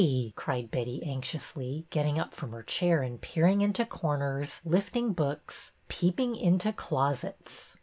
cried Betty, anx iously, getting up from her chair and peering into corners, lifting books, peeping into closets.